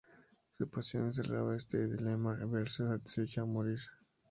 Su pasión se encerraba en este dilema: verse satisfecha, o morir.